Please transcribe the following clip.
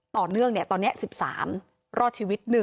ต่อเนื่องตอนนี้๑๓รอดชีวิต๑